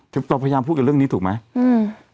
ต้องพยายามพูดเรื่องนี้ถูกไหม